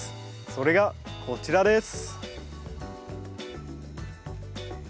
それがこちらです。